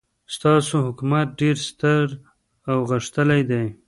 ستاسو حکومت ډېر ستر او غښتلی دی.